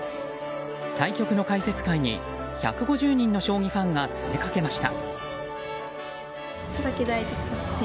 対局の解説会に１５０人の将棋ファンが詰めかけました。